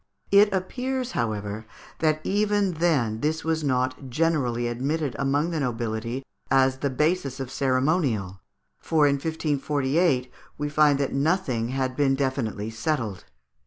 It appears, however, that even then this was not generally admitted among the nobility as the basis of ceremonial, for in 1548 we find that nothing had been definitely settled.